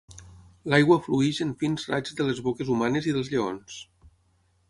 L'aigua flueix en fins raigs de les boques humanes i dels lleons.